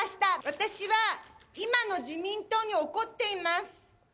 私は今の自民党に怒っています。